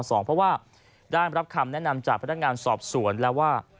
เพราะว่าได้รับคำแนะนำจากพนักงานสอบสวนแล้วว่า